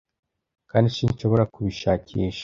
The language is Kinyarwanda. kandi sinshobora kubishakisha